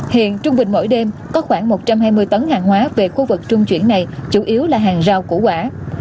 hiện trung bình mỗi đêm có khoảng một trăm hai mươi tấn hàng hóa về khu vực trung chuyển này chủ yếu là hàng rào củ quả